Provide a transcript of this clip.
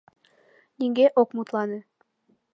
Нигӧ ок мутлане.